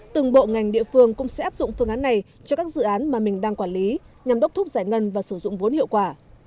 từng bộ ngành địa phương cũng sẽ áp dụng phương án này cho các dự án mà mình đang quản lý nhằm đốc thúc giải ngân và sử dụng vốn hiệu quả